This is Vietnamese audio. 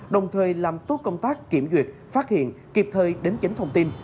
đồng thời làm tốt công tác kiểm duyệt phát hiện kịp thời đính chính thông tin